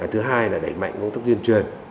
thứ hai là đẩy mạnh công tác duyên truyền